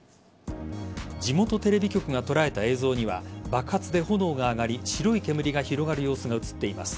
地元テレビ局が捉えた映像には爆発で炎が上がり白い煙が広がる様子が映っています。